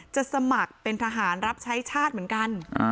สมัครเป็นทหารรับใช้ชาติเหมือนกัน